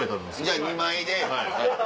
じゃあ２枚で。